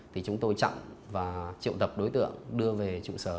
thì chúng tôi chặn và triệu tập đối tượng đưa về trụ sở